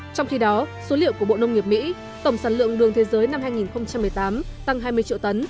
trong khi đó số liệu của bộ nông nghiệp mỹ tổng sản lượng đường thế giới năm hai nghìn một mươi tám tăng hai mươi triệu tấn